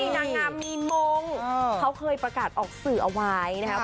นางงามีมงเอ่อเขาเคยประกาศออกสื่อไวนะครับ